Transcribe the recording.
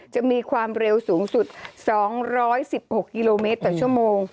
จะมีความเร็วสูงสุด๒๑๖กิโลเมตรต่อชั่วโมง